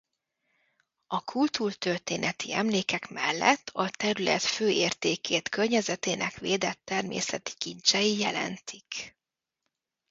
A kultúrtörténeti emlékek mellett a terület fő értékét környezetének védett természeti kincsei jelentik.